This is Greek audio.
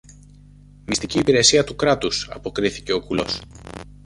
Μυστική υπηρεσία του Κράτους, αποκρίθηκε ο κουλός.